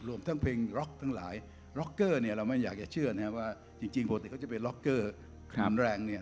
ทั้งเพลงล็อกทั้งหลายล็อกเกอร์เนี่ยเราไม่อยากจะเชื่อนะว่าจริงปกติเขาจะไปล็อกเกอร์รุนแรงเนี่ย